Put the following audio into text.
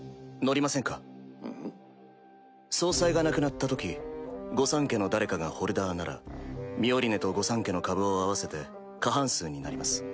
総裁が亡くなったとき御三家の誰かがホルダーならミオリネと御三家の株を合わせて過半数になります。